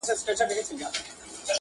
ځکه چې یو انسان